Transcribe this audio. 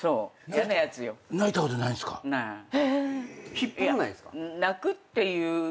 引っ張らないですか？